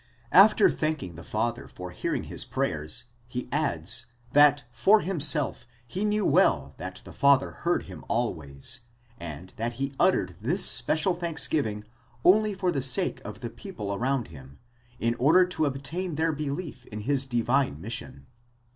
After thanking the Father for hearing his prayer, he adds, that for himself he knew well that the Father heard him always, and that he uttered this special thanksgiving only for the sake of the people around him, in order to obtain their belief in his divine mission.